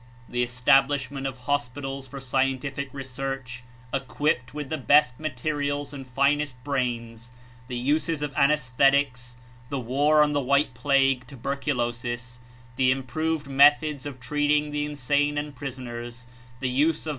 The establishment of hospitals for scientific research, equipped with the best materials and finest brains; the uses of anaesthetics; the war on the white plague, tuberculosis; the improved methods of treat ing the insane and prisoners; the use of.